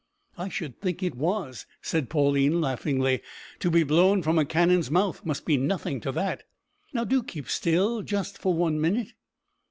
"I should think it was," said Pauline laughingly. "To be blown from a cannon's mouth must be nothing to that. Now, do keep still, just for one minute."